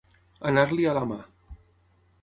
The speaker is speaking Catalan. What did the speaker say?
Anar-li a la mà.